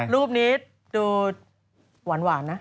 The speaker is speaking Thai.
รูปนี้ดูหวานนะ